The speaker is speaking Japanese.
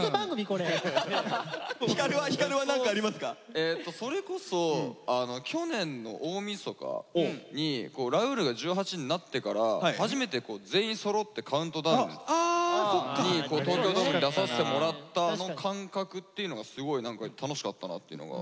えっとそれこそ去年の大みそかにラウールが１８になってから初めて全員そろってカウントダウンに東京ドームで出させてもらったあの感覚っていうのがすごい何か楽しかったなっていうのが。